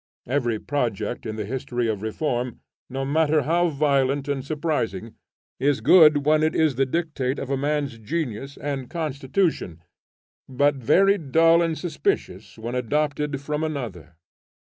Every project in the history of reform, no matter how violent and surprising, is good when it is the dictate of a man's genius and constitution, but very dull and suspicious when adopted from another.